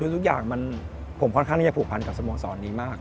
ทุกอย่างผมค่อนข้างที่จะผูกพันกับสโมสรนี้มาก